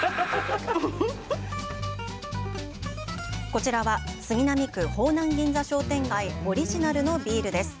こちらは、杉並区、方南銀座商店街オリジナルのビールです。